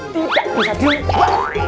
tidak bisa juga